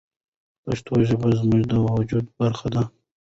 پښتو ژبه زموږ د وجود برخه ده.